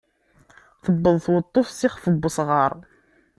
Tewweḍ tweṭṭuft s ixef n usɣaṛ.